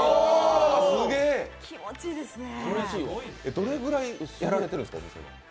どれぐらいやられているんですか、お店。